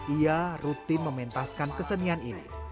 ia rutin mementaskan kesenian ini